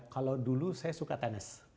kalau dulu saya suka tenis